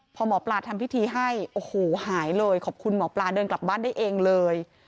พอหมอปลาทำพิธีให้โอ้โหหายเลยขอบคุณหมอปลาเดินกลับบ้านได้เองเลย